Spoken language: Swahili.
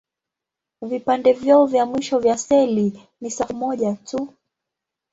Vipande vyao vya mwisho vya seli ni safu moja tu.